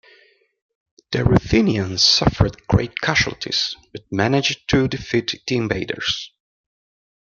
The Ruthenians suffered great casualties, but managed to defeat the invaders.